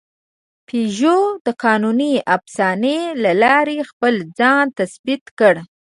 پيژو د قانوني افسانې له لارې خپل ځان تثبیت کړ.